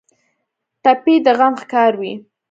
ټپي د غم ښکار وي.